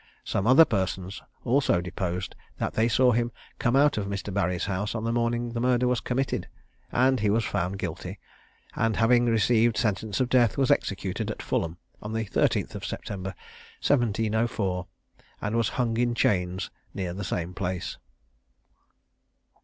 Some other persons also deposed that they saw him come out of Mr. Barry's house on the morning the murder was committed; and he was found guilty, and having received sentence of death, was executed at Fulham, on the 13th September, 1704, and was hung in chains near the same place.